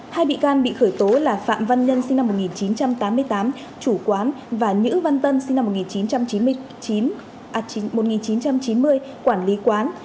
hai bị can bị khởi tố là phạm văn nhân sinh năm một nghìn chín trăm tám mươi tám chủ quán và nhữ văn tân sinh năm một nghìn chín trăm chín mươi quản lý quán